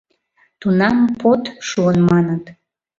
Тунам под шуын маныт.